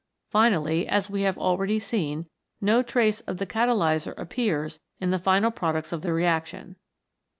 Finally, as we have al ready seen, no trace of the catalyser appears in the final products of the reaction.